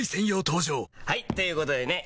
登場はい！ということでね